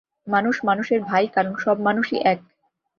মানুষ মানুষের ভাই, কারণ সব মানুষই এক।